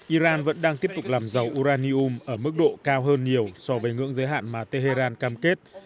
iran vẫn đang tiếp tục làm dầu uranium ở mức độ cao hơn nhiều so với ngưỡng giới hạn mà tehran cam kết